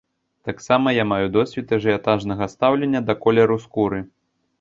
Таксама я маю досвед ажыятажнага стаўлення да колеру скуры.